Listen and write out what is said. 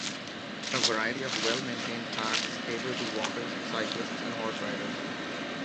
A variety of well-maintained paths cater to walkers, cyclists and horse riders.